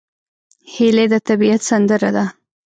هیلۍ د طبیعت سندره ده